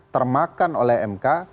termakan oleh mk